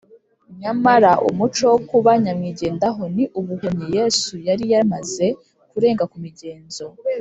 Nyamara umuco wo kuba nyamwigendaho ni ubuhumyi. Yesu yari yamaze kurenga ku migenzo